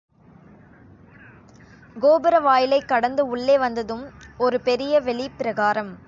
கோபுர வாயிலைக் கடந்து உள்ளே வந்ததும் ஒரு பெரிய வெளிப்பிரகாரம்.